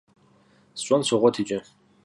СщӀэн согъуэт иджы.